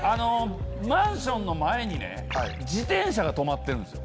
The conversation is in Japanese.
マンションの前に自転車が止まってるんですよ。